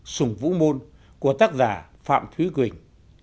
sùng vũ môn của tác giả phạm thúy quỳnh